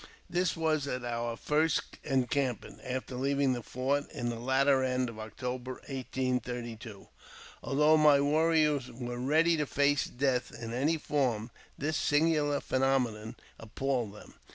This was at our first encampment after leaving the fort in the latter end of October, 1832. Although my warriors were • ready to face death in any form, this singular phenomenon I appalled them.